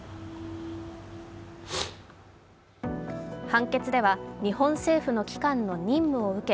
判決では日本政府の機関の任務を受け